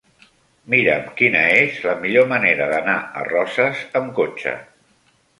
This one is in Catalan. Mira'm quina és la millor manera d'anar a Roses amb cotxe.